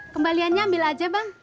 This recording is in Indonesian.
kembaliannya ambil aja bang